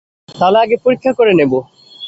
তাহলে, আগে পরীক্ষা করে নেবো।